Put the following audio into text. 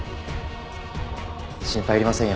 心配いりませんよ